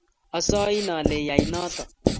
Asain ale iyai notok